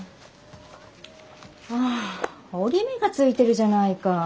ああ折り目がついてるじゃないか。